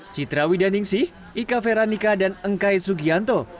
citrawi daningsih ika feranika dan engkai subianto